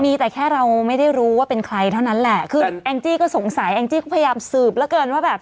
มีแต่แค่เราไม่ได้รู้ว่าเป็นใครเท่านั้นแหละคือแองจี้ก็สงสัยแองจี้ก็พยายามสืบแล้วเกินว่าแบบ